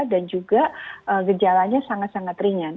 dan juga gejalanya sangat sangat ringan